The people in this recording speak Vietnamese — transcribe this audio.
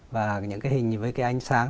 và những cái hình với cái ánh sáng